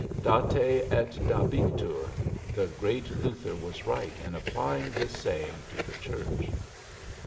'Date et dabitur!' The great Luther was right in applying this saying to the church.